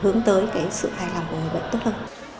hướng tới cái sự hài lòng của người bệnh tốt hơn